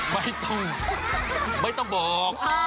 ไม่ต้องไม่ต้องบอก